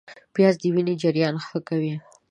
پیاز د وینې جریان ښه کوي